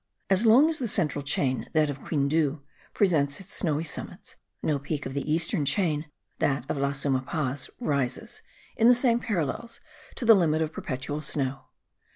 As long as the central chain (that of Quindiu) presents its snowy summits, no peak of the eastern chain (that of La Suma Paz) rises, in the same parallels, to the limit of perpetual snow.